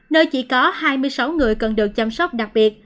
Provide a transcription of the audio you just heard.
nơi chỉ có hai mươi sáu người cần được chăm sóc đặc biệt